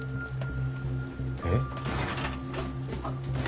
えっ。